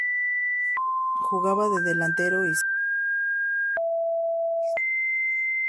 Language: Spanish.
Jugaba de delantero y su primer club fue Banfield.